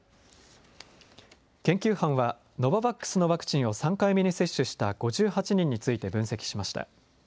研究班はノババックスのワクチンを３回目に接種した５８人について分析しました。